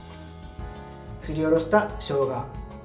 すりおろしたしょうが。